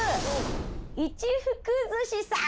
「一福寿し」さん！